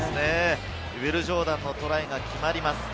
ウィル・ジョーダンのトライが決まります。